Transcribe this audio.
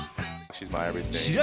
試合